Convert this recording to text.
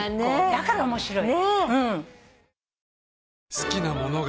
だから面白い。